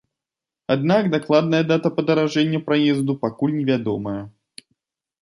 Аднак дакладная дата падаражэння праезду пакуль невядомая.